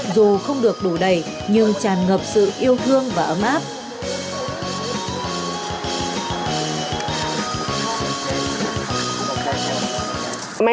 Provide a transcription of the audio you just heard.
dù không được đủ đầy nhưng tràn ngập sự yêu thương và ấm áp